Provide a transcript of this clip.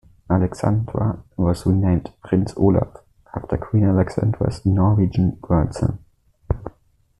"Alexandra" was renamed "Prins Olav", after Queen Alexandra's Norwegian grandson.